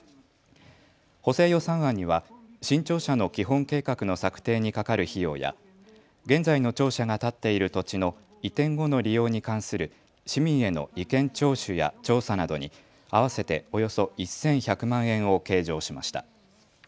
補正予算案には新庁舎の基本計画の策定にかかる費用や現在の庁舎が建っている土地の移転後の利用に関する市民への意見聴取や調査などに合わせておよそ１１００万円を計上しました。